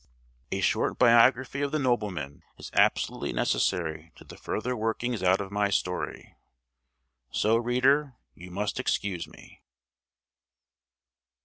A short biography of the nobleman is absolutely necessary to the further working out of my story. So, reader, you must excuse me.